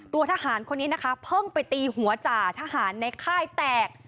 ทหารคนนี้นะคะเพิ่งไปตีหัวจ่าทหารในค่ายแตก